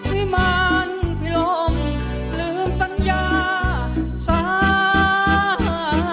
ที่มันไปลงลืมสัญญาสายัน